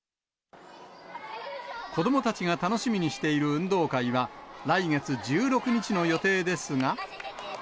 子どもたちが楽しみにしている運動会は、来月１６日の予定ですが。